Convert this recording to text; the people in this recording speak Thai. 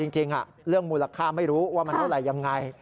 จริงเรื่องมูลค่าไม่รู้ว่ามันเท่าไหร่ยังไง